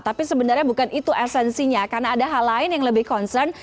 tapi sebenarnya bukan itu esensinya karena ada hal lain yang lebih concern